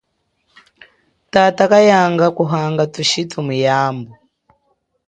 Tata kayanga nyi kuhanga thushitu muyambu.